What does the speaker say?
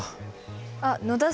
あっ野田さん